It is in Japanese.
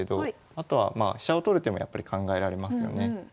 あとはまあ飛車を取る手もやっぱり考えられますよね。